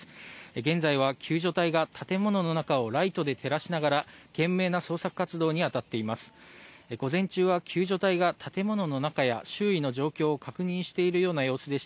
現在は救助隊が建物の中をライトで照らしながら懸命な捜索活動に当たっています。